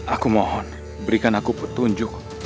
aku mohon berikan aku petunjuk